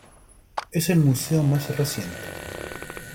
Es el museo más reciente.